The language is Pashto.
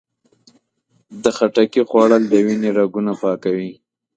د خټکي خوړل د وینې رګونه پاکوي.